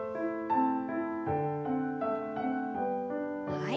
はい。